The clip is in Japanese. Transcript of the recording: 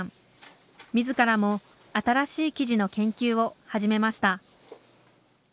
自らも新しい生地の研究を始めました。